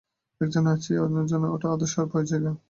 একজন নাচিয়ের জন্য ওটা আদর্শ জায়গা।